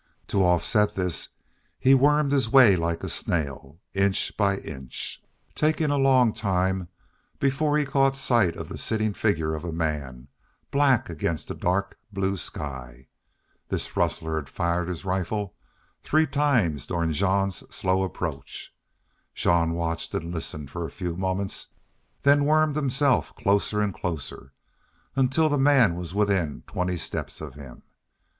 To offset this he wormed his way like a snail, inch by inch, taking a long time before he caught sight of the sitting figure of a man, black against the dark blue sky. This rustler had fired his rifle three times during Jean's slow approach. Jean watched and listened a few moments, then wormed himself closer and closer, until the man was within twenty steps of him.